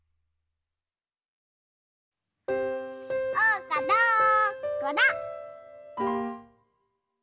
・おうかどこだ？